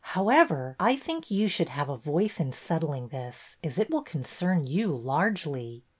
" How ever, I think you should have a voice in settling this, as it will concern you largely."